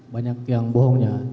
banyak yang bohongnya